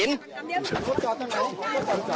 หินหินหิน